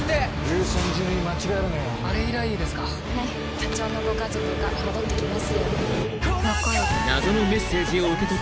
課長のご家族が戻って来ますように。